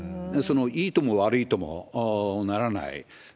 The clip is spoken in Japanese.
いいとも悪いともならない。